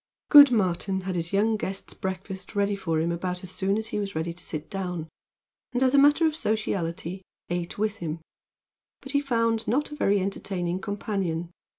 Good Martin had his young guest's breakfast ready for him about as soon as he was ready to sit down; and, as a matter of sociality, ate with him. But he found not a very entertaining companion.